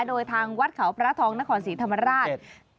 โดยทางวัดเขาพระทองนครศรีธรรมราช